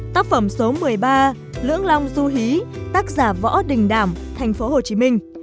tác phẩm số một mươi ba lưỡng long du hí tác giả võ đình đảm thành phố hồ chí minh